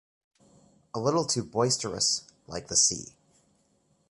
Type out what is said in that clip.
A little too boisterous — like the sea.